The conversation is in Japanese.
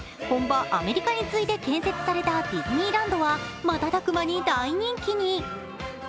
本場アメリカに次いで建設されたディズニーランドは瞬く間に大人気に。